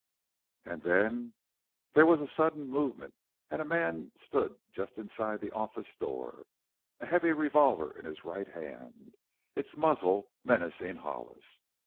And then there was a sudden movement and a man stood just inside the office door, a heavy revolver in his right hand, its muzzle menacing Hollis.